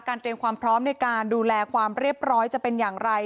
เตรียมความพร้อมในการดูแลความเรียบร้อยจะเป็นอย่างไร